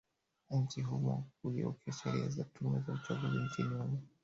nchi humo kuigeuka sheria za tume ya uchaguzi nchini humo